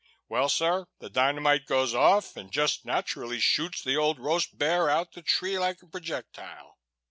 Well, sir, the dynamite goes off and just naturally shoots the old roast bear out the tree like a projectile.